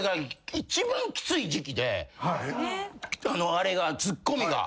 あれがツッコミが。